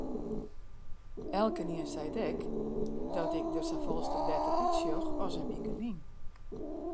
Elkenien seit ek dat ik der safolleste better útsjoch as in wike lyn.